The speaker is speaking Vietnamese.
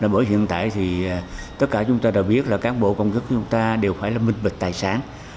bởi vì hiện tại thì tất cả chúng ta đã biết là cán bộ công chức chúng ta đều phải là minh bịch tài sản